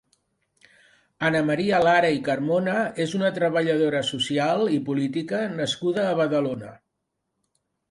Anna Maria Lara i Carmona és una treballadora social i política nascuda a Badalona.